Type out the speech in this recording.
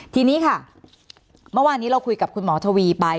ทีนี้ค่ะเมื่อวานนี้เราคุยกับคุณหมอทวีไป